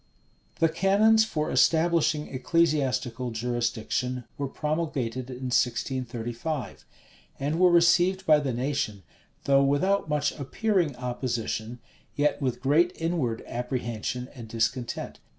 The canons for establishing ecclesiastical jurisdiction were promulgated in 1635; and were received by the nation, though without much appearing opposition, yet with great inward apprehension and discontent.